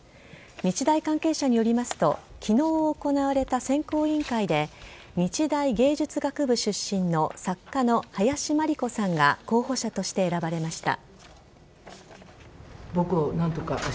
日大関係者によりますと昨日行われた選考委員会で日大芸術学部出身の作家の林真理子さんが候補者として選ばれました。